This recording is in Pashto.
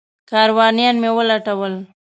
کاروانیان مې ولټول.